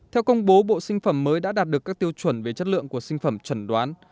theo công bố bộ sinh phẩm mới đã đạt được các tiêu chuẩn về chất lượng của sinh phẩm trần đoán